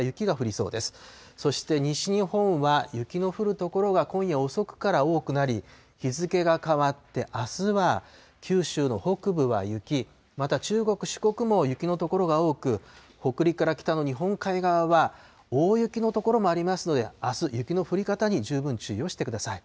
そして西日本は、雪の降る所が今夜遅くから多くなり、日付が変わってあすは九州の北部は雪、また中国、四国も雪の所が多く、北陸から北の日本海側は大雪の所もありますので、あす、雪の降り方に十分注意をしてください。